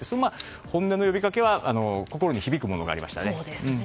本音の呼びかけは心に響くものがありましたね。